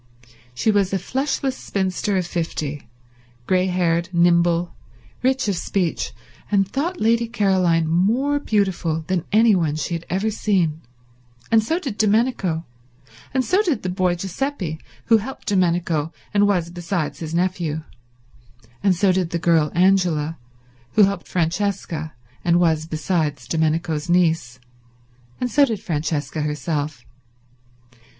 She was a fleshless spinster of fifty, grey haired, nimble, rich of speech, and thought Lady Caroline more beautiful than anyone she had ever seen; and so did Domenico; and so did the boy Giuseppe who helped Domenico and was, besides, his nephew; and so did the girl Angela who helped Francesca and was, besides, Domenico's niece; and so did Francesca herself.